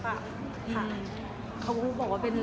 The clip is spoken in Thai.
เขาบอกว่าเป็นละครความหวังเลยนะ